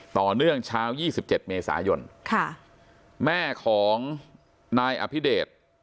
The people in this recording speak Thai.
ต่อเนื่องเช้ายี่สิบเจ็ดเมษายนค่ะแม่ของนายอภิเดช